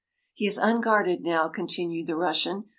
“He is unguarded now,” continued the Russian.